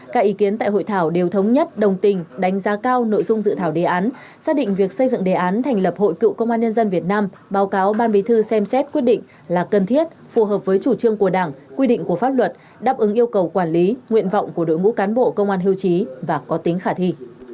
các ý kiến tại hội thảo đều thống nhất đồng tình đánh giá cao nội dung dự thảo đề án xác định việc xây dựng đề án thành lập hội cựu công an nhân dân việt nam báo cáo ban bí thư xem xét quyết định là cần thiết phù hợp với chủ trương của đảng quy định của pháp luật đáp ứng yêu cầu quản lý nguyện vọng của đội ngũ cán bộ công an hưu trí và có tính khả thi